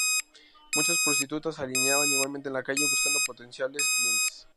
Muchas prostitutas se alineaban igualmente en la calle, buscando potenciales clientes.